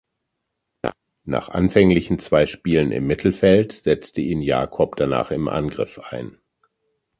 Nach anfänglichen zwei Spielen im Mittelfeld setzte ihn Jacob danach im Angriff ein.